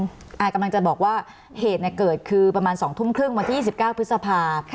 อากำลังจะบอกว่าเหตุเกิดคือประมาณ๒ทุ่มครึ่งวันที่๒๙พฤษภา